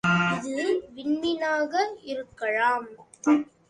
இது விண்மீனாக இருக்கலாம்.